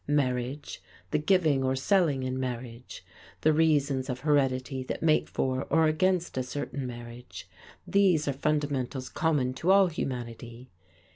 Marriage, the giving or selling in marriage, the reasons of heredity that make for or against a certain marriage: these are fundamentals common to all humanity.